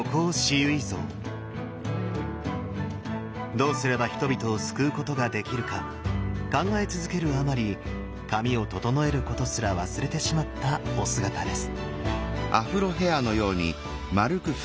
どうすれば人々を救うことができるか考え続けるあまり髪を整えることすら忘れてしまったお姿です。